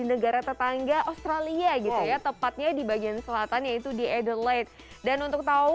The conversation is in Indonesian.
negara tetangga australia gitu ya tepatnya di bagian selatan yaitu di edellate dan untuk tahu